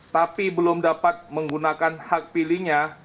tapi belum dapat menggunakan hak pilihnya